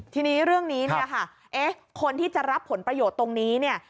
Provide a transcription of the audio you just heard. ทีนี้เรื่องนี้เนี่ยค่ะเอ๊ะคนที่จะรับผลประโยชน์ตรงนี้เนี่ย